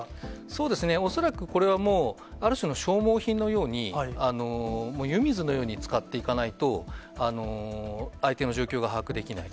そうですね、恐らく、これはもうある種の消耗品のように、湯水のように使っていかないと、相手の状況が把握できない。